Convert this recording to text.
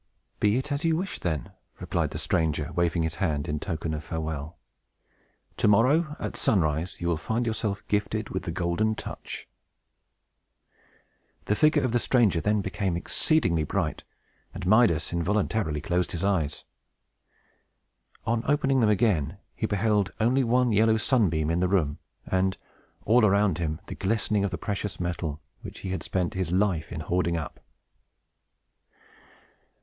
"Be it as you wish, then," replied the stranger, waving his hand in token of farewell. "To morrow, at sunrise, you will find yourself gifted with the Golden Touch." The figure of the stranger then became exceedingly bright, and Midas involuntarily closed his eyes. On opening them again, he beheld only one yellow sunbeam in the room, and, all around him, the glistening of the precious metal which he had spent his life in hoarding up.